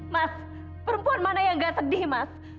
mas perempuan mana yang gak sedih mas